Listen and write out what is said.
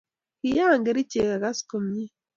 Kiyae kerichek agas komie